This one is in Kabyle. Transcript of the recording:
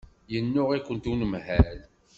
Yennuɣ-ikent unemhal.